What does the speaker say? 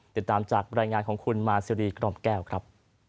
ติดตามจากบรรยายงานของคุณมาซีรีกล่อมแก้วครับ